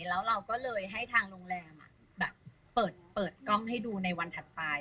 แล้วเราก็เลยให้ทางโรงแรมเปิดกล้องให้ดูในวันถัดไป